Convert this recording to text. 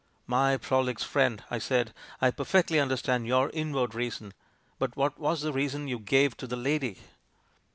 "My proHx friend," I said, "I perfectly un derstand your inward reason; but what was the reason you gave to the lady?"